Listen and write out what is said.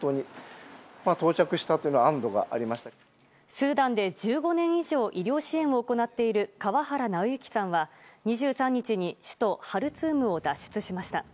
スーダンで１５年以上医療支援を行っている川原尚行さんは２３日に首都ハルツームを脱出しました。